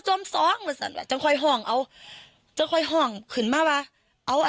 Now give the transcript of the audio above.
จมซ้องต่อจิ๊ดแวะจังคอยห้องเอาจริงมาวะเอาอัน